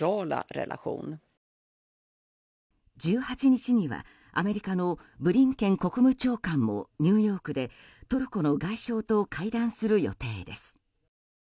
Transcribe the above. １８日にはアメリカのブリンケン国務長官もニューヨークで、トルコの外相と会談する予定です。